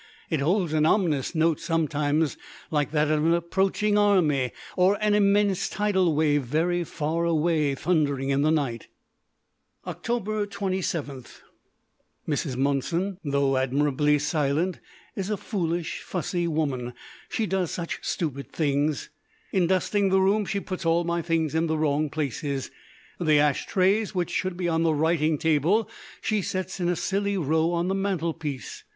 It holds an ominous note sometimes, like that of an approaching army, or an immense tidal wave very far away thundering in the night. Oct. 27. Mrs. Monson, though admirably silent, is a foolish, fussy woman. She does such stupid things. In dusting the room she puts all my things in the wrong places. The ash trays, which should be on the writing table, she sets in a silly row on the mantelpiece.